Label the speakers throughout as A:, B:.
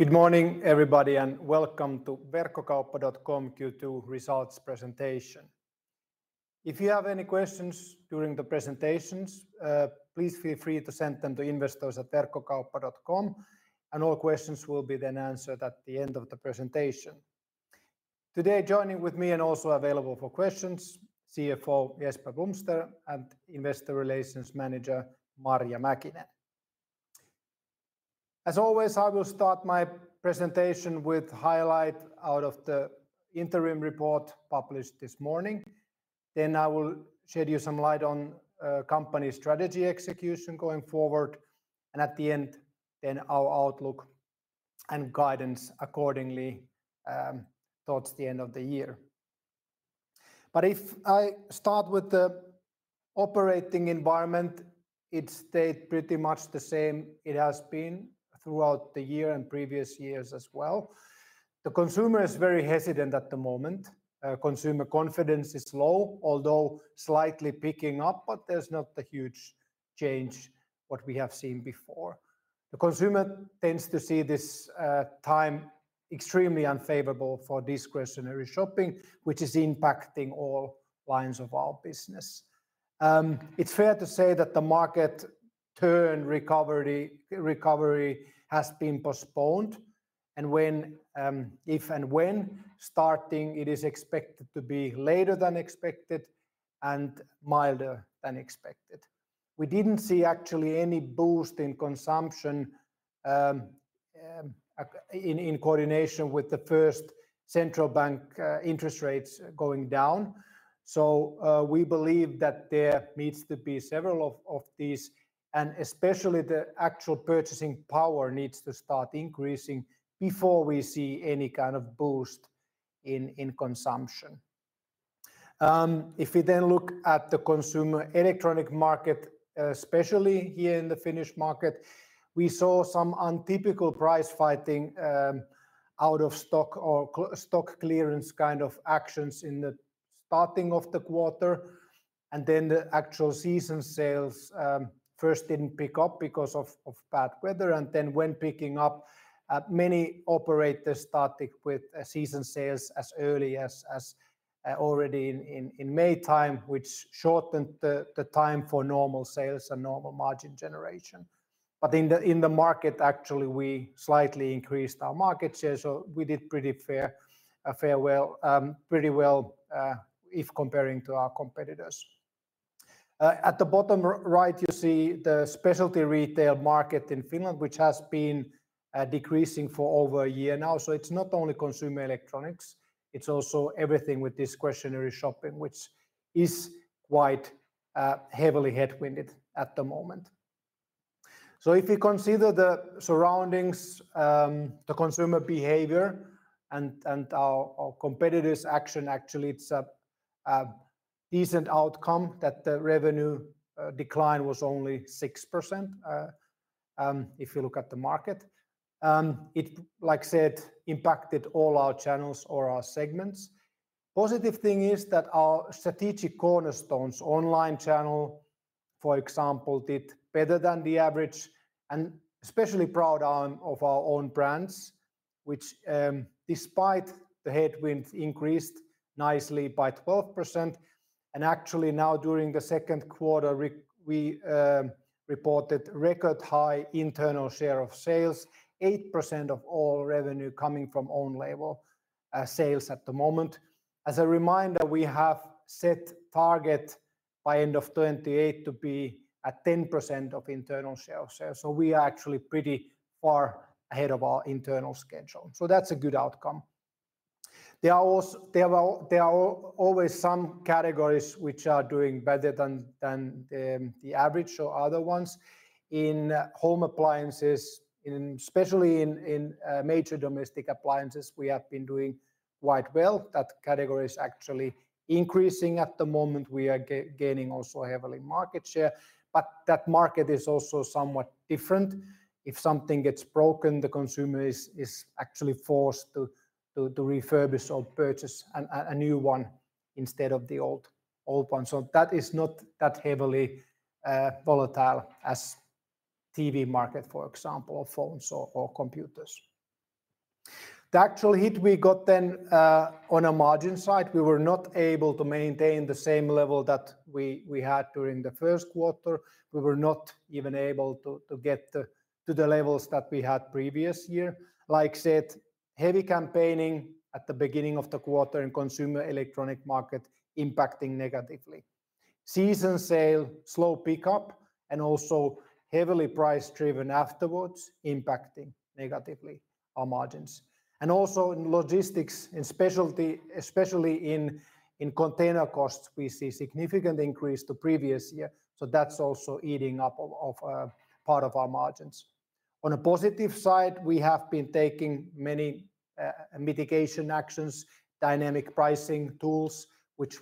A: Good morning, everybody, and welcome to Verkkokauppa.com Q2 results presentation. If you have any questions during the presentations, please feel free to send them to investors@verkkokauppa.com, and all questions will be then answered at the end of the presentation. Today, joining with me and also available for questions, CFO Jesper Blomster and Investor Relations Manager Marja Mäkinen. As always, I will start my presentation with highlight out of the interim report published this morning. Then I will shed you some light on company strategy execution going forward, and at the end, then our outlook and guidance accordingly towards the end of the year. But if I start with the operating environment, it stayed pretty much the same it has been throughout the year and previous years as well. The consumer is very hesitant at the moment. Consumer confidence is low, although slightly picking up, but there's not a huge change what we have seen before. The consumer tends to see this time extremely unfavorable for discretionary shopping, which is impacting all lines of our business. It's fair to say that the market turn recovery has been postponed, and when, if and when starting, it is expected to be later than expected and milder than expected. We didn't see actually any boost in consumption in coordination with the first central bank interest rates going down. So, we believe that there needs to be several of these, and especially the actual purchasing power needs to start increasing before we see any kind of boost in consumption. If we then look at the consumer electronics market, especially here in the Finnish market, we saw some untypical price fighting, out of stock or stock clearance kind of actions in the start of the quarter, and then the actual season sales first didn't pick up because of bad weather, and then when picking up, many operators started with season sales as early as already in May time, which shortened the time for normal sales and normal margin generation. But in the market, actually, we slightly increased our market share, so we did pretty fairly well if comparing to our competitors. At the bottom right, you see the specialty retail market in Finland, which has been decreasing for over a year now. So it's not only consumer electronics, it's also everything with discretionary shopping, which is quite heavily headwinded at the moment. So if you consider the surroundings, the consumer behavior, and our competitors' action, actually, it's a decent outcome that the revenue decline was only 6%, if you look at the market. It, like I said, impacted all our channels or our segments. Positive thing is that our strategic cornerstones, online channel, for example, did better than the average, and especially proud of our own brands, which, despite the headwinds, increased nicely by 12%. And actually, now during the second quarter, we reported record high internal share of sales, 8% of all revenue coming from own label sales at the moment. As a reminder, we have set target by end of 2028 to be at 10% of internal share of sales, so we are actually pretty far ahead of our internal schedule. So that's a good outcome. There are always some categories which are doing better than the average or other ones. In home appliances, especially in major domestic appliances, we have been doing quite well. That category is actually increasing at the moment. We are gaining also heavily market share, but that market is also somewhat different. If something gets broken, the consumer is actually forced to refurbish or purchase a new one instead of the old one. So that is not that heavily volatile as TV market, for example, or phones or computers. The actual hit we got then on a margin side, we were not able to maintain the same level that we had during the first quarter. We were not even able to get to the levels that we had previous year. Like I said, heavy campaigning at the beginning of the quarter in consumer electronics market impacting negatively. Season sales slow pickup, and also heavily price-driven afterwards, impacting negatively our margins. And also in logistics, especially in container costs, we see significant increase to previous year, so that's also eating up of part of our margins. On a positive side, we have been taking many mitigation actions, dynamic pricing tools, which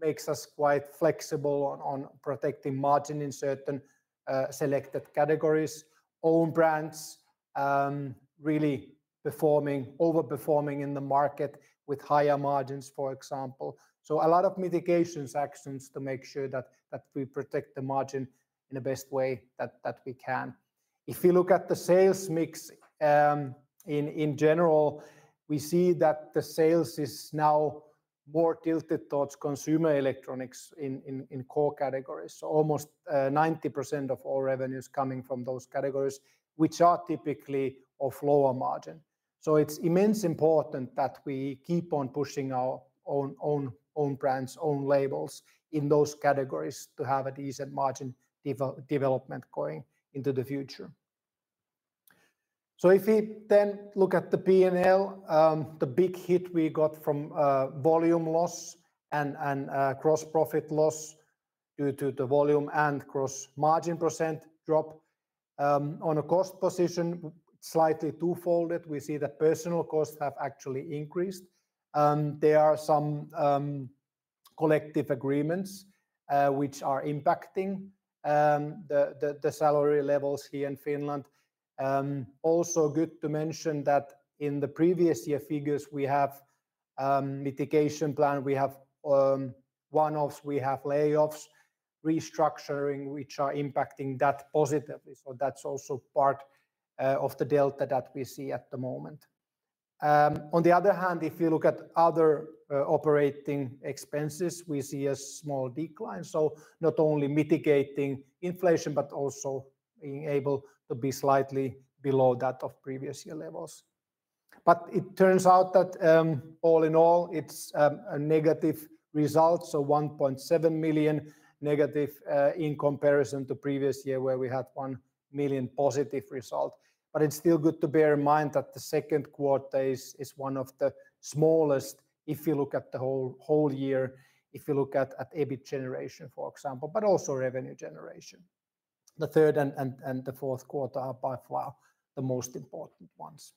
A: makes us quite flexible on protecting margin in certain selected categories. Own brands really performing, overperforming in the market with higher margins, for example. So a lot of mitigations actions to make sure that we protect the margin in the best way that we can. If you look at the sales mix, in general, we see that the sales is now more tilted towards consumer electronics in core categories. So almost 90% of all revenues coming from those categories, which are typically of lower margin. So it's immensely important that we keep on pushing our own brands, own labels in those categories to have a decent margin development going into the future. So if we then look at the P&L, the big hit we got from volume loss and gross profit loss due to the volume and gross margin percent drop. On a cost position, slightly twofold it, we see that personnel costs have actually increased. There are some collective agreements which are impacting the salary levels here in Finland. Also good to mention that in the previous year figures, we have mitigation plan. We have one-offs, we have layoffs, restructuring, which are impacting that positively. So that's also part of the delta that we see at the moment. On the other hand, if you look at other operating expenses, we see a small decline. So not only mitigating inflation, but also being able to be slightly below that of previous year levels. But it turns out that all in all, it's a negative result, so 1.7 million negative in comparison to previous year, where we had 1 million positive result. But it's still good to bear in mind that the second quarter is one of the smallest if you look at the whole year, if you look at EBIT generation, for example, but also revenue generation. The third and the fourth quarter are by far the most important ones.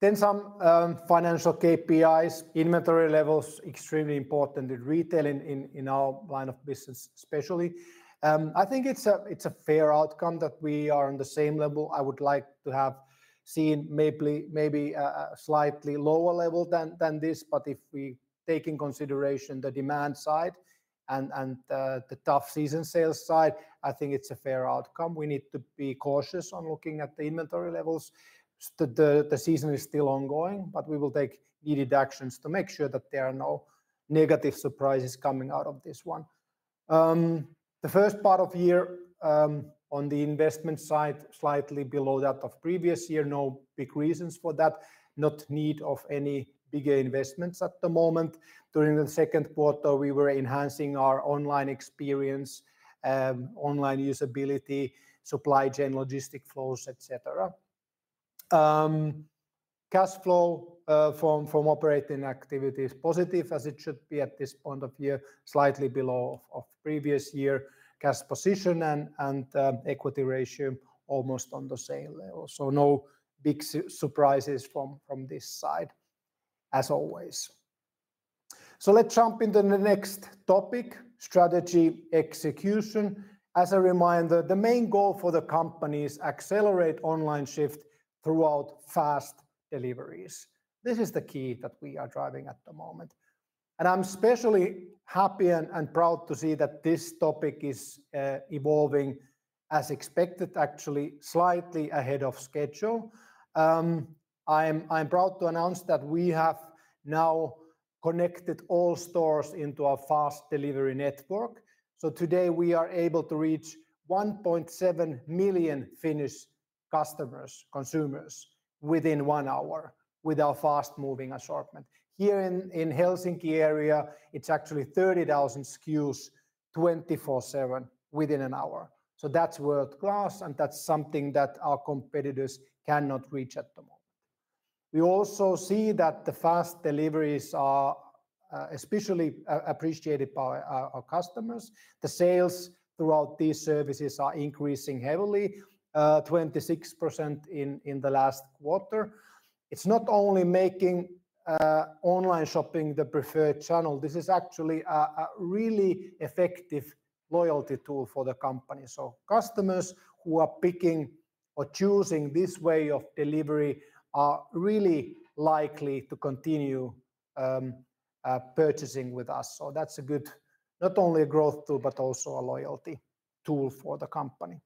A: Then some financial KPIs. Inventory levels, extremely important in retailing in our line of business especially. I think it's a fair outcome that we are on the same level. I would like to have seen maybe a slightly lower level than this. But if we take in consideration the demand side and the tough season sales side, I think it's a fair outcome. We need to be cautious on looking at the inventory levels. The season is still ongoing, but we will take needed actions to make sure that there are no negative surprises coming out of this one. The first part of the year, on the investment side, slightly below that of previous year, no big reasons for that. No need of any bigger investments at the moment. During the second quarter, we were enhancing our online experience, online usability, supply chain, logistic flows, et cetera. Cash flow from operating activity is positive, as it should be at this point of year, slightly below of previous year. Cash position and equity ratio almost on the same level. So no big surprises from this side, as always. So let's jump into the next topic: strategy execution. As a reminder, the main goal for the company is accelerate online shift throughout fast deliveries. This is the key that we are driving at the moment, and I'm especially happy and proud to see that this topic is evolving as expected, actually slightly ahead of schedule. I'm proud to announce that we have now connected all stores into our fast delivery network. So today, we are able to reach 1.7 million Finnish customers, consumers within one hour with our fast-moving assortment. Here in Helsinki area, it's actually 30,000 SKUs, 24/7, within an hour. So that's world-class, and that's something that our competitors cannot reach at the moment. We also see that the fast deliveries are especially appreciated by our customers. The sales throughout these services are increasing heavily, 26% in the last quarter. It's not only making online shopping the preferred channel, this is actually a really effective loyalty tool for the company. So customers who are picking or choosing this way of delivery are really likely to continue purchasing with us. So that's a good not only a growth tool, but also a loyalty tool for the company.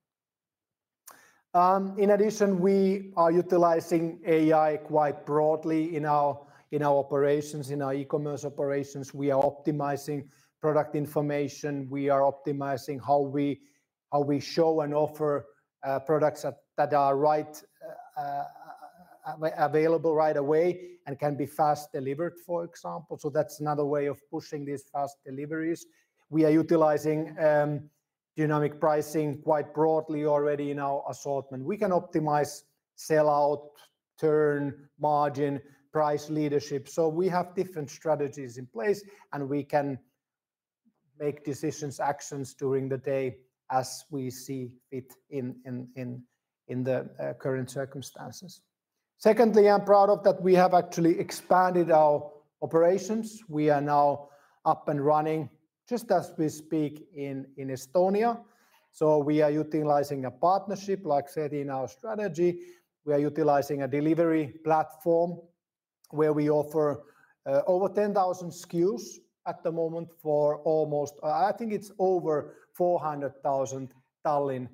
A: In addition, we are utilizing AI quite broadly in our operations, in our e-commerce operations. We are optimizing product information. We are optimizing how we show and offer products that are available right away and can be fast delivered, for example. So that's another way of pushing these fast deliveries. We are utilizing dynamic pricing quite broadly already in our assortment. We can optimize sellout, turn, margin, price leadership, so we have different strategies in place, and we can make decisions, actions during the day as we see fit in the current circumstances. Secondly, I'm proud of that we have actually expanded our operations. We are now up and running just as we speak in Estonia. So we are utilizing a partnership, like said in our strategy. We are utilizing a delivery platform where we offer over 10,000 SKUs at the moment for almost, I think it's over 400,000 Tallinn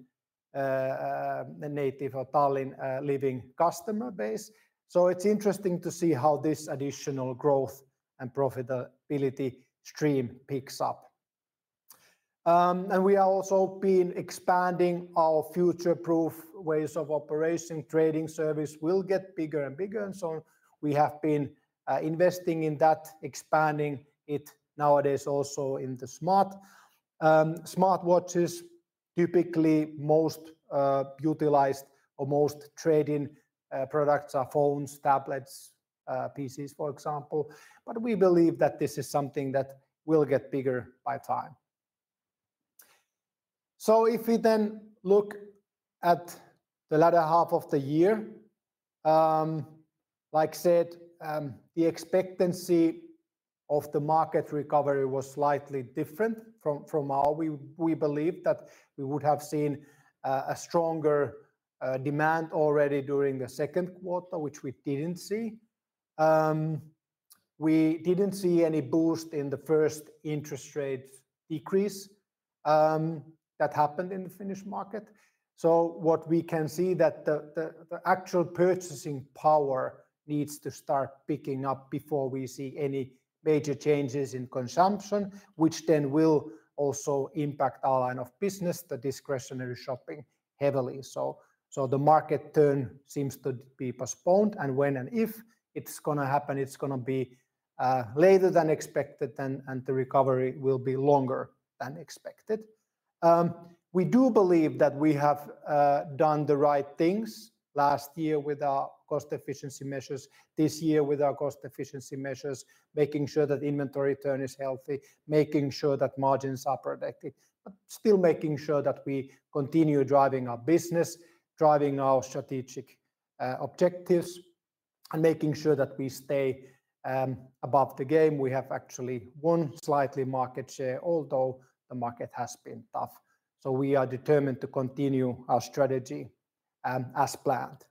A: native or Tallinn living customer base. So it's interesting to see how this additional growth and profitability stream picks up. And we have also been expanding our future-proof ways of operation. Trade-in service will get bigger and bigger, and so we have been investing in that, expanding it nowadays also in the smartwatches. Typically, most utilized or most trade-in products are phones, tablets, PCs, for example, but we believe that this is something that will get bigger by time. So if we then look at the latter half of the year, like I said, the expectancy of the market recovery was slightly different from our. We believed that we would have seen a stronger demand already during the second quarter, which we didn't see. We didn't see any boost in the first interest rate decrease that happened in the Finnish market. So what we can see that the actual purchasing power needs to start picking up before we see any major changes in consumption, which then will also impact our line of business, the discretionary shopping, heavily. So the market turn seems to be postponed, and when and if it's gonna happen, it's gonna be later than expected, and the recovery will be longer than expected. We do believe that we have done the right things last year with our cost efficiency measures, this year with our cost efficiency measures, making sure that inventory turn is healthy, making sure that margins are protected, but still making sure that we continue driving our business, driving our strategic objectives, and making sure that we stay above the game. We have actually won slightly market share, although the market has been tough, so we are determined to continue our strategy, as planned.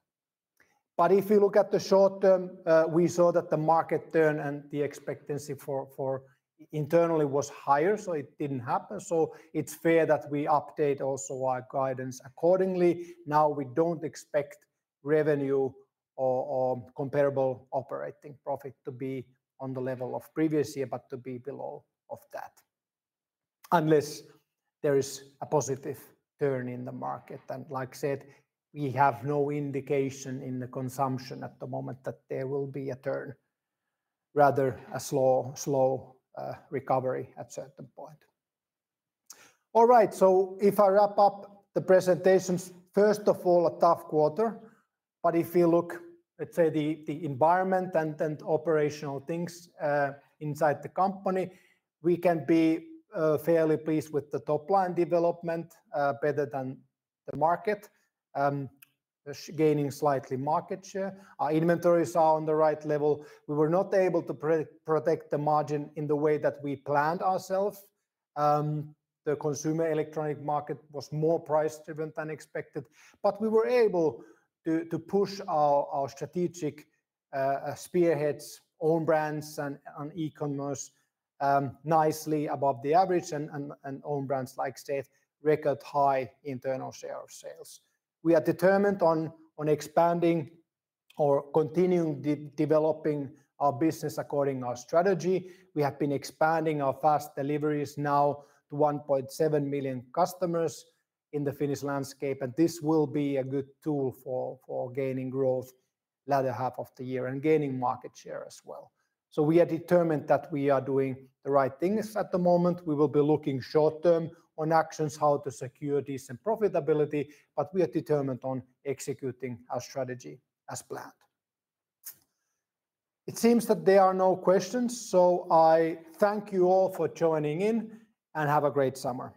A: But if you look at the short term, we saw that the market turn and the expectancy for internally was higher, so it didn't happen. So it's fair that we update also our guidance accordingly. Now, we don't expect revenue or comparable operating profit to be on the level of previous year, but to be below of that, unless there is a positive turn in the market. And like I said, we have no indication in the consumption at the moment that there will be a turn, rather a slow recovery at certain point. All right, so if I wrap up the presentations, first of all, a tough quarter, but if you look at, say, the environment and operational things inside the company, we can be fairly pleased with the top line development, better than the market, gaining slightly market share. Our inventories are on the right level. We were not able to protect the margin in the way that we planned ourselves. The consumer electronics market was more price-driven than expected, but we were able to push our strategic spearheads, own brands, and e-commerce nicely above the average, and own brands, like I said, record high internal share of sales. We are determined on expanding or continuing developing our business according our strategy. We have been expanding our fast deliveries now to 1.7 million customers in the Finnish landscape, and this will be a good tool for gaining growth latter half of the year and gaining market share as well. So we are determined that we are doing the right things at the moment. We will be looking short term on actions, how to secure decent profitability, but we are determined on executing our strategy as planned. It seems that there are no questions, so I thank you all for joining in, and have a great summer.